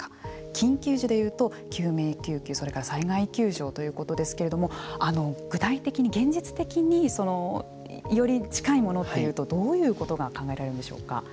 緊急時で言うと救命救急、それから災害救助ということですけれども具体的に、現実的により近いものというとどういうことが考えられるんでしょうか。